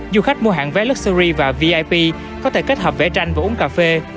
du khách mua hạng vé luxury và vip có thể kết hợp vẽ tranh và uống cà phê